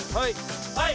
はい。